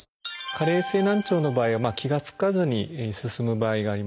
加齢性難聴の場合は気が付かずに進む場合があります。